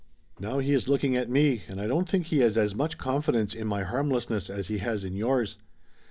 Now he is looking at me, and I don't think he has as much confidence in my harmlessness as he has in yours.